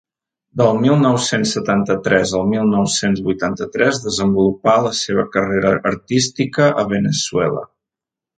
Del mil nou-cents setanta-tres al mil nou-cents vuitanta-tres desenvolupà la seva carrera artística a Veneçuela.